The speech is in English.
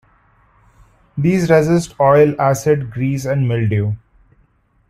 These resist oil, acid, grease and mildew.